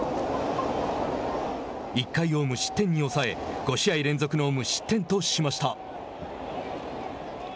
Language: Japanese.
１回を無失点に抑え５試合連続の無失点としました。